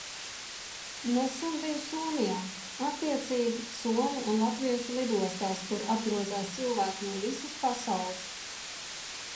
Nesen biju Somijā, attiecīgi somu un latviešu lidostās, kur apgrozās cilvēki no visas pasaules.